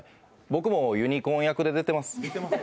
僕もユニコーン役で出ています。